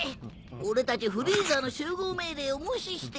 俺たちフリーザの集合命令を無視して。